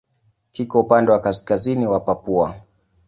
Kiko upande wa kaskazini wa Papua.